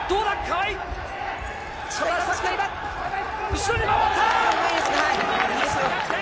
後ろに回った！逆転！